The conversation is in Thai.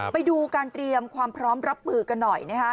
ไปดูการเตรียมความพร้อมรับมือกันหน่อย